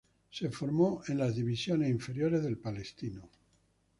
Se formó en las divisiones inferiores de Palestino.